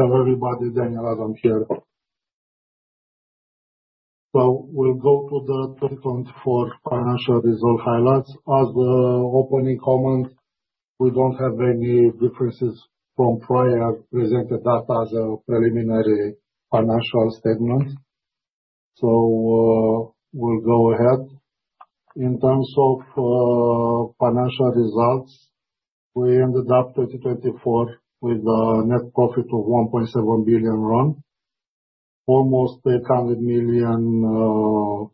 Hello, everybody. We'll go to the 2024 financial result highlights. As the opening comment, we do not have any differences from prior presented data as a preliminary financial statement. We'll go ahead. In terms of financial results, we ended up 2024 with a net profit of RON 1.7 billion, almost RON 800 million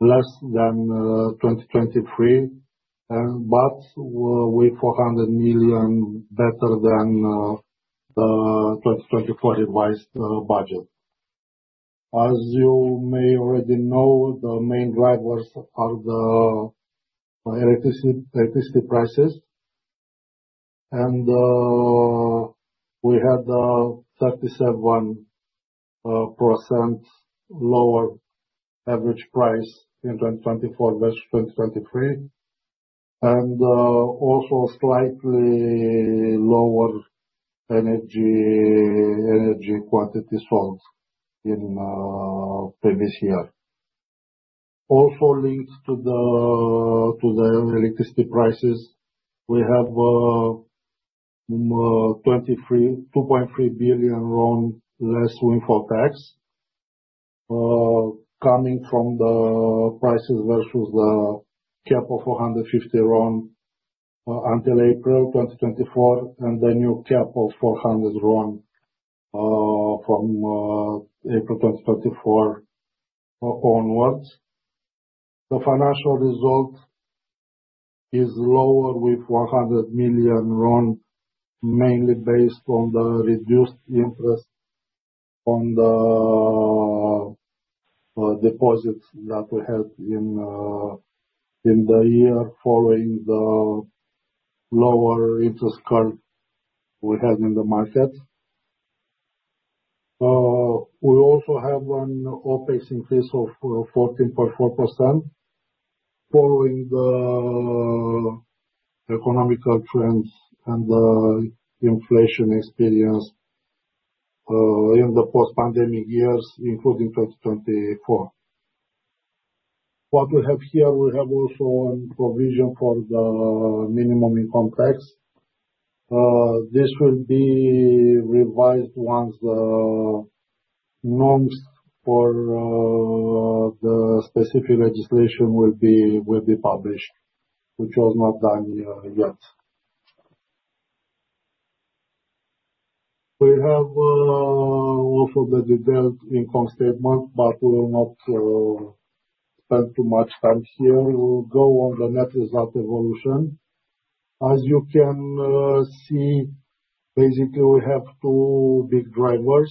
less than 2023, but with RON 400 million better than the 2024 revised budget. As you may already know, the main drivers are the electricity prices. We had a 37% lower average price in 2024 versus 2023, and also slightly lower energy quantity sold in previous year. Also linked to the electricity prices, we have RON 2.3 billion less windfall tax coming from the prices versus the cap of RON 150 until April 2024, and the new cap of RON 400 from April 2024 onwards. The financial result is lower with RON 100 million, mainly based on the reduced interest on the deposits that we had in the year following the lower interest curve we had in the market. We also have an OpEx increase of 14.4% following the economical trends and the inflation experienced in the post-pandemic years, including 2024. What we have here, we have also a provision for the minimum income tax. This will be revised once the norms for the specific legislation will be published, which was not done yet. We have also the detailed income statement, but we will not spend too much time here. We'll go on the net result evolution. As you can see, basically, we have two big drivers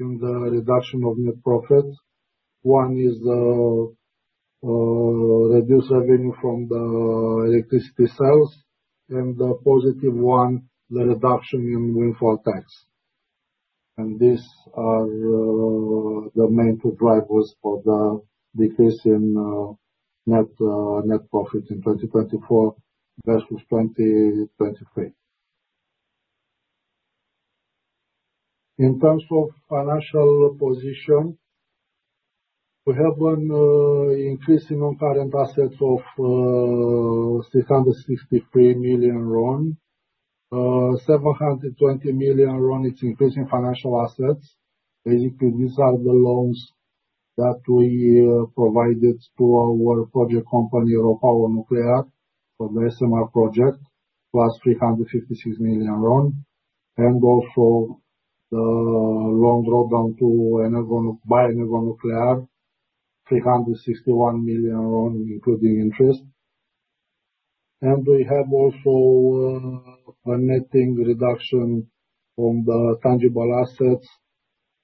in the reduction of net profit. One is reduced revenue from the electricity sales, and the positive one, the reduction in windfall tax. These are the main two drivers for the decrease in net profit in 2024 versus 2023. In terms of financial position, we have an increase in non-current assets of RON 663 million. RON 720 million, it's increasing financial assets. Basically, these are the loans that we provided to our project company, RoPower Nuclear, for the SMR project, plus RON 356 million. Also the loan drawdown by EnergoNuclear, RON 361 million, including interest. We have also a net reduction on the tangible assets,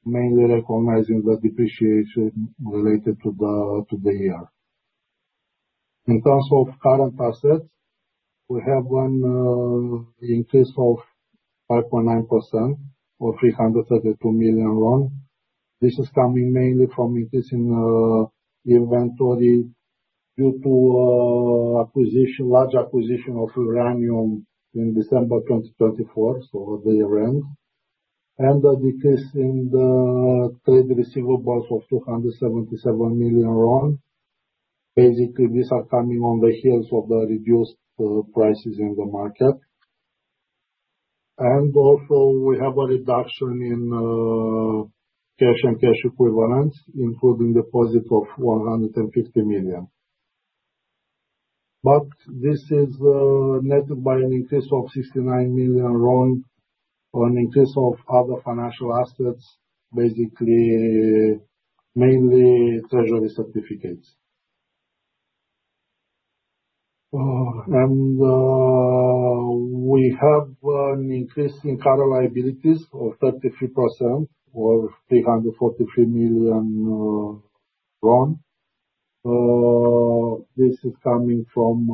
mainly recognizing the depreciation related to the year. In terms of current assets, we have an increase of 5.9% or RON 332 million. This is coming mainly from increasing inventory due to large acquisition of uranium in December 2024, so the year-end, and a decrease in the trade receivables of RON 277 million. Basically, these are coming on the heels of the reduced prices in the market. Also, we have a reduction in cash and cash equivalents, including deposit of RON 150 million. This is netted by an increase of RON 69 million or an increase of other financial assets, basically mainly treasury certificates. We have an increase in current liabilities of 33% or RON 343 million. This is coming from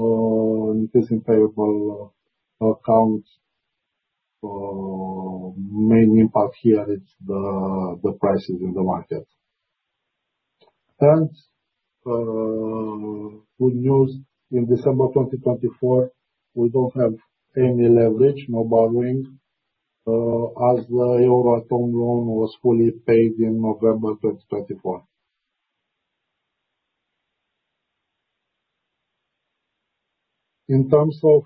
increasing payable accounts. Main impact here, it's the prices in the market. Good news, in December 2024, we do not have any leverage, no borrowing, as the EUR home loan was fully paid in November 2024. In terms of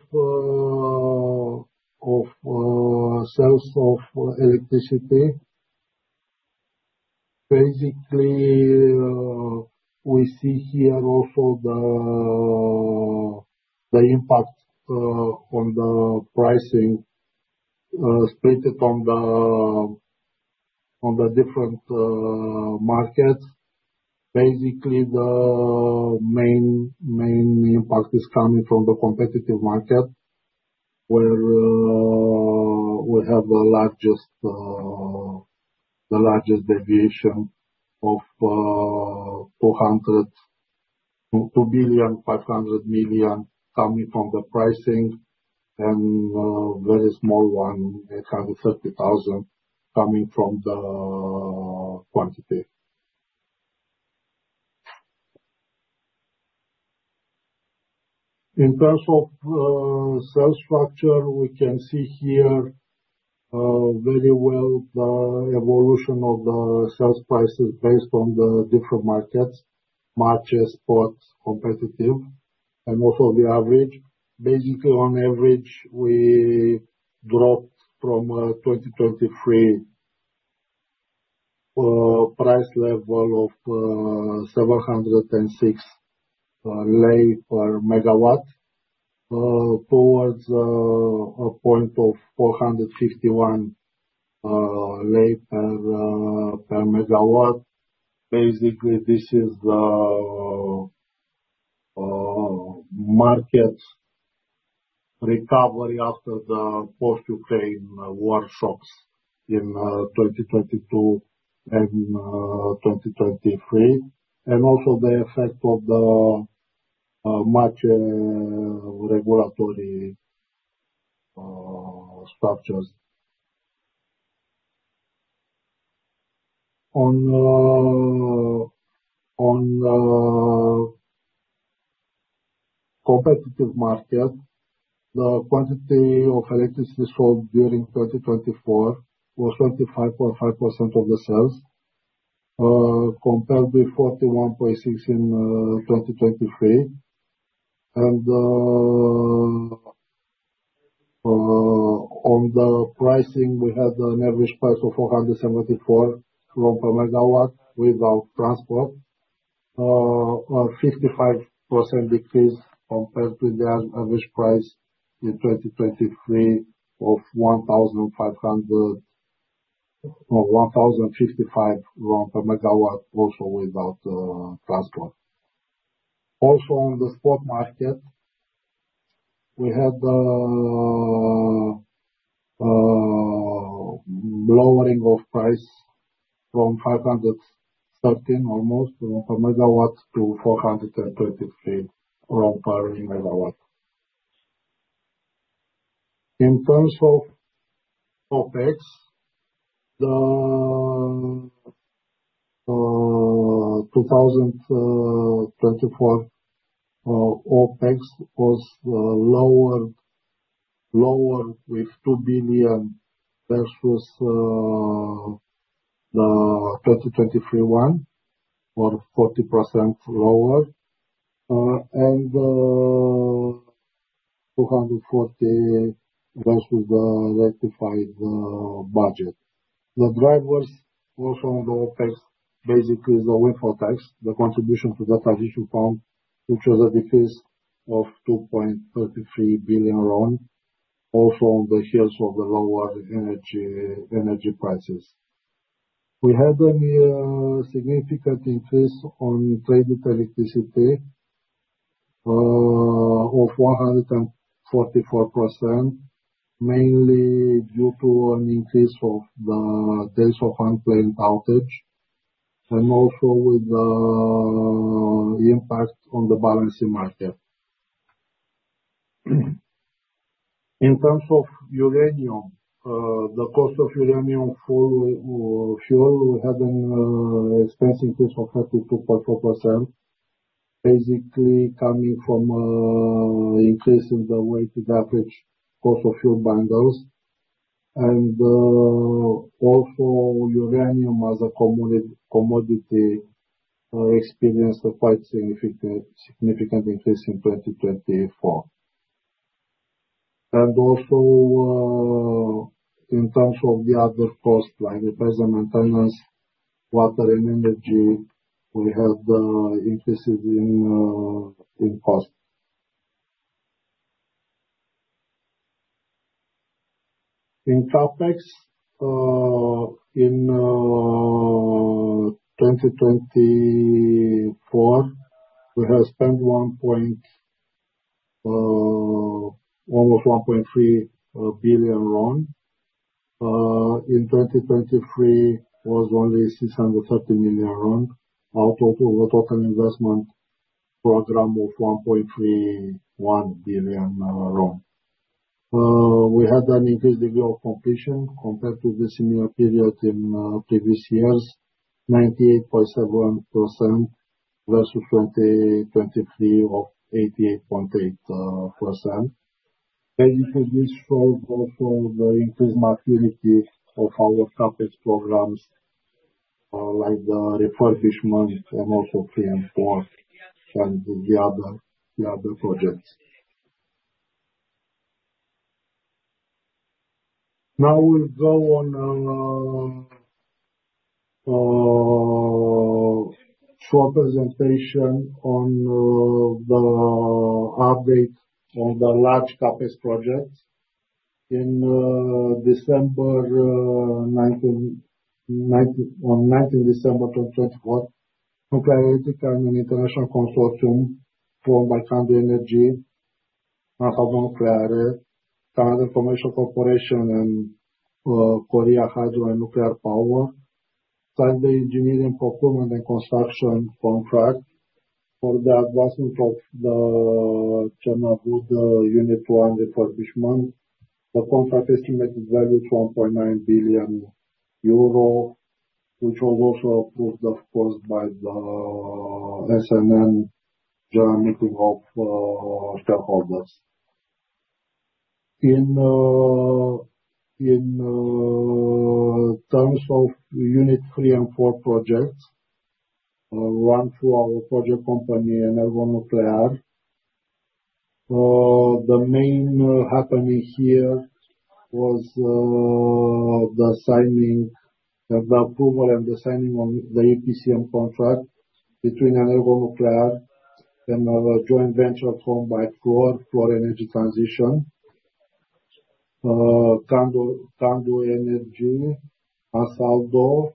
sales of electricity, basically, we see here also the impact on the pricing split on the different markets. Basically, the main impact is coming from the competitive market, where we have the largest deviation of RON 2.5 billion coming from the pricing, and a very small one, RON 830,000, coming from the quantity. In terms of sales structure, we can see here very well the evolution of the sales prices based on the different markets, market, spot, competitive, and also the average. Basically, on average, we dropped from a 2023 price level of RON 706 per megawatt towards a point of RON 451 per megawatt. Basically, this is the market recovery after the post-Ukraine war shocks in 2022 and 2023, and also the effect of the market regulatory structures. On competitive market, the quantity of electricity sold during 2024 was 25.5% of the sales, compared with 41.6% in 2023. On the pricing, we had an average price of RON 474 per megawatt without transport, a 55% decrease compared to the average price in 2023 of RON 1,555 per megawatt, also without transport. Also, on the spot market, we had a lowering of price from RON 513 almost per megawatt to RON 433 per megawatt. In terms of OpEx, the 2024 OpEx was lowered with RON 2 billion versus the 2023 one or 40% lower, and RON 240 versus the rectified budget. The drivers also on the OpEx, basically, is the windfall tax, the contribution to the transition fund, which was a decrease of RON 2.33 billion, also on the heels of the lower energy prices. We had a significant increase on traded electricity of 144%, mainly due to an increase of the days of unplanned outage and also with the impact on the balancing market. In terms of uranium, the cost of uranium fuel had an expense increase of 32.4%, basically coming from increasing the weighted average cost of fuel bundles. Uranium as a commodity experienced a quite significant increase in 2024. In terms of the other costs, like the present maintenance, water, and energy, we had increases in cost. In CapEx, in 2024, we have spent almost RON 1.3 billion. In 2023, it was only RON 630 million, our total investment program of RON 1.31 billion. We had an increased degree of completion compared to the similar period in previous years, 98.7% versus 2023 of 88.8%. Basically, this shows also the increased maturity of our CapEx programs, like the refurbishment and also pre-employed and the other projects. Now, we'll go on a short presentation on the update on the large CapEx projects. On 19 December 2024, Nuclearelectrica and an international consortium formed by Candu Energy, Alfa Nucleare, Canada Commercial Corporation, and Korea Hydro & Nuclear Power signed the engineering, procurement, and construction contract for the advancement of the Chernobyl unit one refurbishment. The contract estimated value to 1.9 billion euro, which was also approved, of course, by the SNN general meeting of shareholders. In terms of unit 3 and 4 projects, one through our project company EnergoNuclear, the main happening here was the approval and the signing of the EPCM contract between EnergoNuclear and a joint venture formed by Fluor Energy Transition, Candu Energy, Ansaldo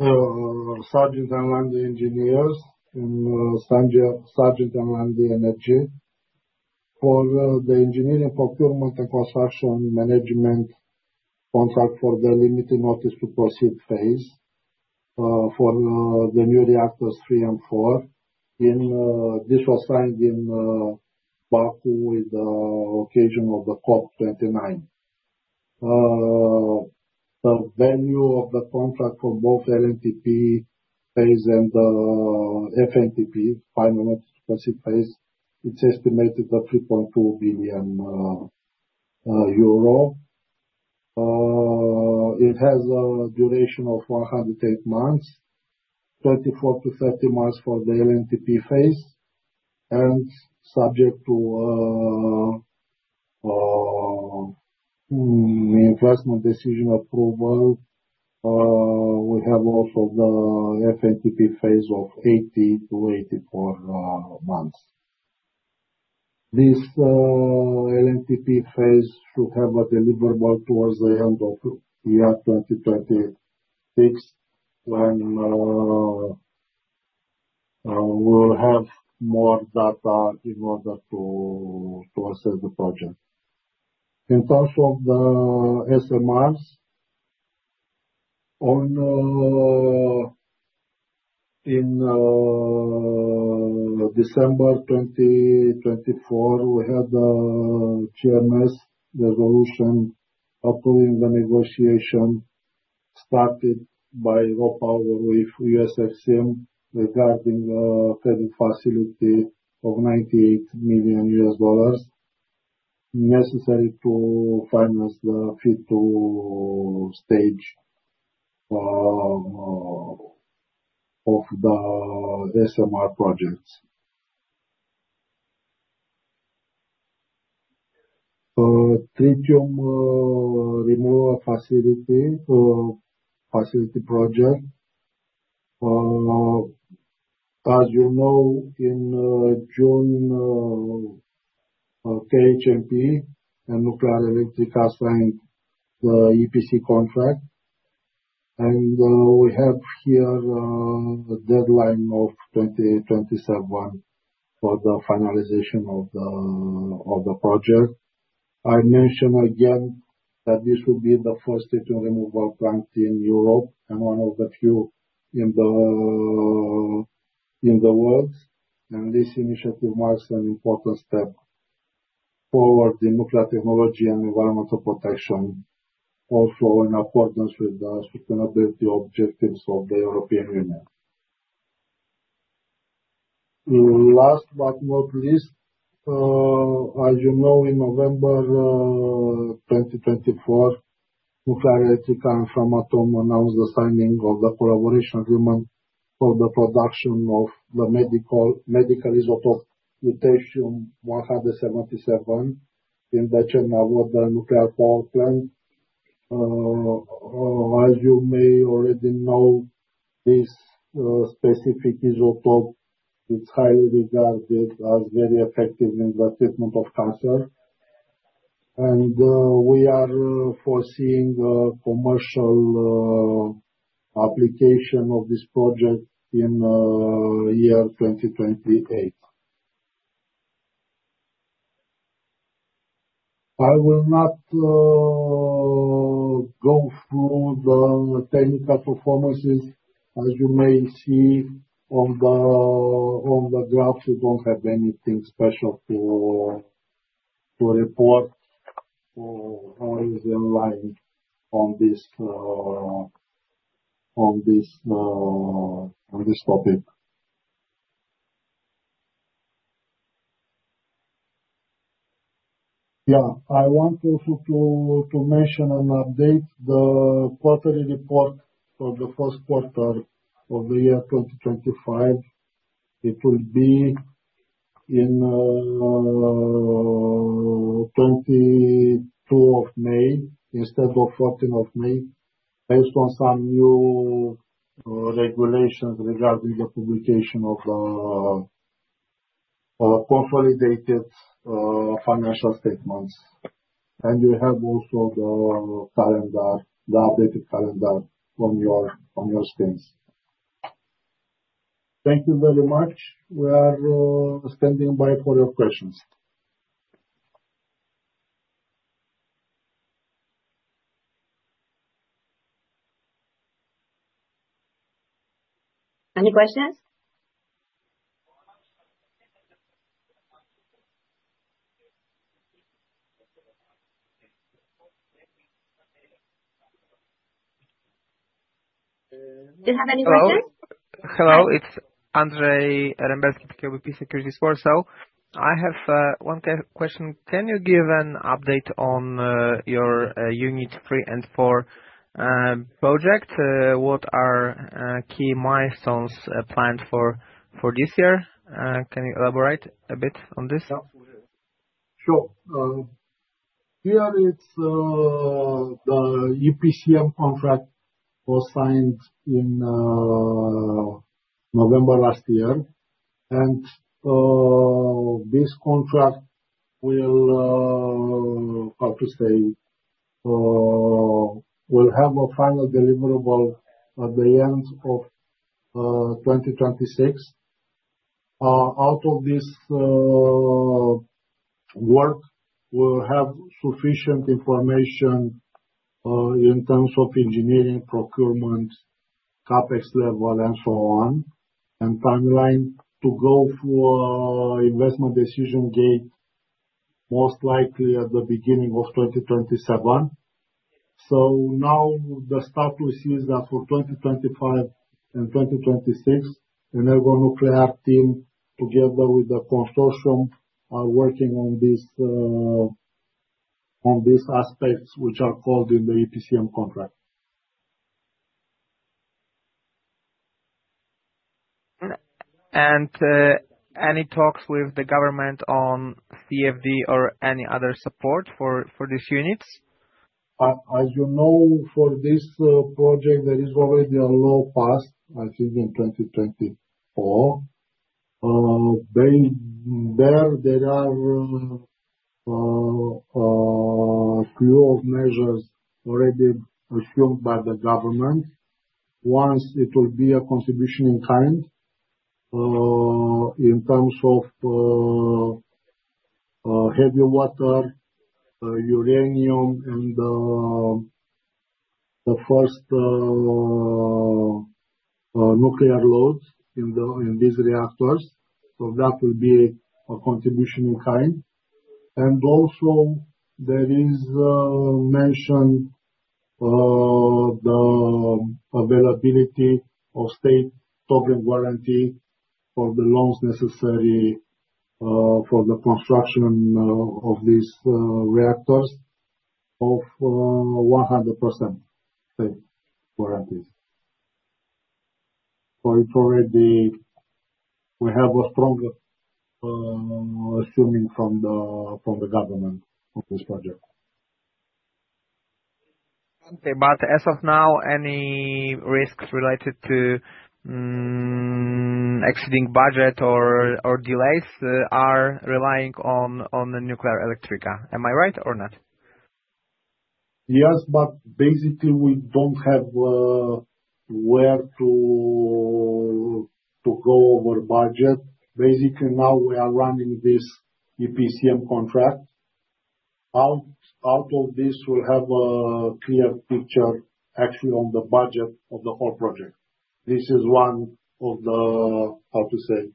Nucleare, Sargent & Lundy Engineers, and Sargent & Lundy Energy for the engineering, procurement, and construction management contract for the limited notice to proceed phase for the new reactors three and four. This was signed in Baku with the occasion of the COP29. The value of the contract for both LNTP phase and FNTP, final notice to proceed phase, is estimated at EUR 3.2 billion. It has a duration of 108 months, 24-30 months for the LNTP phase, and subject to investment decision approval. We have also the FNTP phase of 80 to 84 months. This LNTP phase should have a deliverable towards the end of year 2026 when we will have more data in order to assess the project. In terms of the SMRs, in December 2024, we had a GMS resolution approving the negotiation started by RoPower with USFCM regarding a credit facility of $98 million necessary to finance the feed-to-stage of the SMR projects. Tritium removal facility project. As you know, in June, Korea Hydro & Nuclear Power and Nuclearelectrica signed the EPC contract. We have here a deadline of 2027 for the finalization of the project. I mentioned again that this would be the first tritium removal facility in Europe and one of the few in the world. This initiative marks an important step forward in nuclear technology and environmental protection, also in accordance with the sustainability objectives of the European Union. Last but not least, as you know, in November 2024, Nuclearelectrica and Framatome announced the signing of the collaboration agreement for the production of the medical isotope potassium-177 in the Cernavoda nuclear power plant. As you may already know, this specific isotope is highly regarded as very effective in the treatment of cancer. We are foreseeing a commercial application of this project in year 2028. I will not go through the technical performances. As you may see on the graph, we do not have anything special to report or is in line on this topic. Yeah. I want also to mention and update the quarterly report for the Q1 of the year 2025. It will be on the 22nd of May instead of the 14th of May, based on some new regulations regarding the publication of consolidated financial statements. You have also the updated calendar on your screens. Thank you very much. We are standing by for your questions. Any questions? Do you have any questions? Hello. It's Andrei [inaudible] Securities. I have one question. Can you give an update on your unit 3 and 4 project? What are key milestones planned for this year? Can you elaborate a bit on this? Sure. Here, the EPCM contract was signed in November last year. This contract will, how to say, will have a final deliverable at the end of 2026. Out of this work, we'll have sufficient information in terms of engineering, procurement, CapEx level, and so on, and timeline to go through investment decision gate most likely at the beginning of 2027. The status is that for 2025 and 2026, EnergoNuclear team together with the consortium are working on these aspects which are called in the EPCM contract. Any talks with the government on CFD or any other support for these units? As you know, for this project, there is already a law passed, I think, in 2024. There are a few measures already assumed by the government. Once, it will be a contribution in kind in terms of heavy water, uranium, and the first nuclear loads in these reactors. That will be a contribution in kind. Also, there is mention of the availability of state sovereign warranty for the loans necessary for the construction of these reactors of 100% state warranty. We have a strong assuming from the government on this project. Okay. As of now, any risks related to exceeding budget or delays are relying on Nuclearelectrica. Am I right or not? Yes, but basically, we don't have where to go over budget. Basically, now we are running this EPCM contract. Out of this, we'll have a clear picture, actually, on the budget of the whole project. This is one of the, how to say,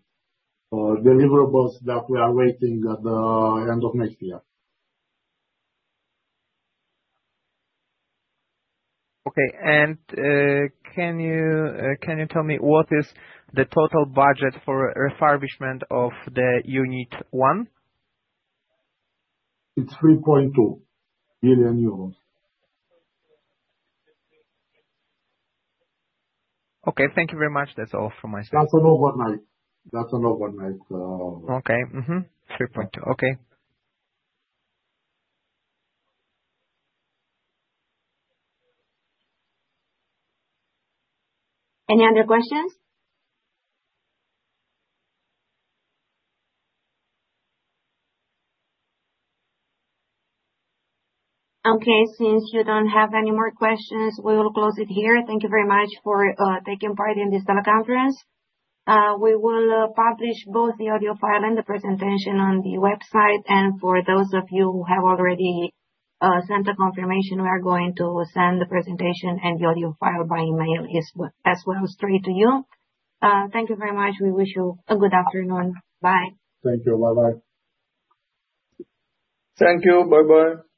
deliverables that we are waiting at the end of next year. Okay. Can you tell me what is the total budget for refurbishment of the unit 1? It's EUR 3.2 billion. Okay. Thank you very much. That's all from my side. That's an overnight. That's an overnight. Okay. 3.2. Okay. Any other questions? Okay. Since you don't have any more questions, we will close it here. Thank you very much for taking part in this teleconference. We will publish both the audio file and the presentation on the website. For those of you who have already sent a confirmation, we are going to send the presentation and the audio file by email as well straight to you. Thank you very much. We wish you a good afternoon. Bye. Thank you. Bye-bye. Thank you. Bye-bye. Bye.